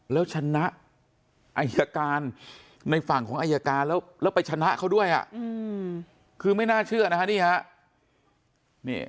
แล้วชนะอายการในฝั่งของอายการแล้วไปชนะเขาด้วยคือไม่น่าเชื่อนะฮะนี่ฮะ